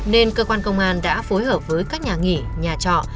nên cơ quan công an đã phối hợp với các nhà nghỉ nhà trọ